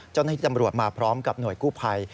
เจ้าหน้าที่ตำรวจมาพร้อมกับหน่วยกู้ภัย